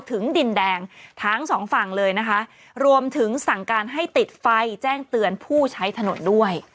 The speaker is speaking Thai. ถึงดินแดงทั้งสองฝั่งเลยนะคะรวมถึงสั่งการให้ติดไฟแจ้งเตือนผู้ใช้ถนนด้วย